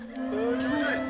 気持ち悪い！